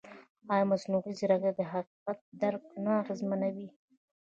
ایا مصنوعي ځیرکتیا د حقیقت درک نه اغېزمنوي؟